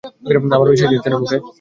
আমার বিশ্বাসই হচ্ছে না মুকেশ।